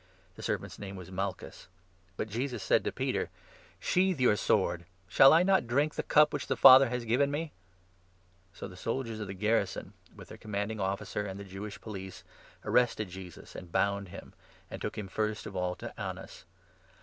The servant's name was Malchus. But Jesus said to n Peter :" Sheathe your sword. Shall I not drink the cup which the Father has given me ?" So the soldiers of the garrison, with their Com 12 The manding Officer and the Jewish police, arrested Teaus? Jesus and bound him, and took him first of 13 all to Annas.